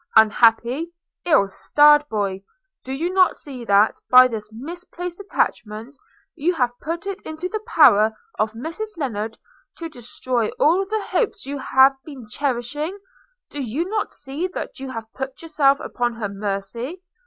– Unhappy, ill starred boy! Do you not see that, by this misplaced attachment, you have put it into the power of Mrs Lennard to destroy all the hopes you have been cherishing? Do you not see that you have put yourself upon her mercy?